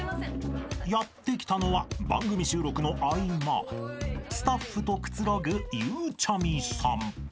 ［やって来たのは番組収録の合間スタッフとくつろぐゆうちゃみさん］